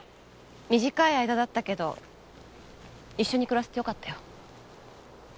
短い間だったけど一緒に暮らせてよかったよ。